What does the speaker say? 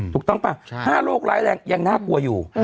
ถูกต้องป่ะ๕โรคร้ายแรงยังน่ากลัวอยู่